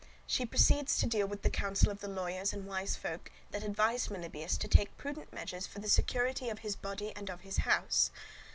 She proceeds to deal with the counsel of the lawyers and wise folk that advised Melibœus to take prudent measures for the security of his body and of his house.